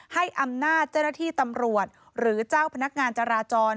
ให้อำนาจเจ้าหน้าที่ตำรวจหรือเจ้าพนักงานจราจร